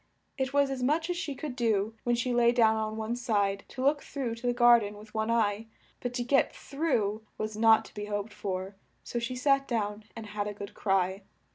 It was as much as she could do, when she lay down on one side, to look through to the gar den with one eye: but to get through was not to be hoped for, so she sat down and had a good cry.